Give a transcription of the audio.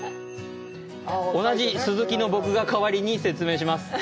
同じ鈴木の僕が代わりに説明します。